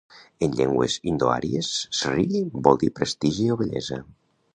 En llengües indoàries, Sri vol dir prestigi o bellesa.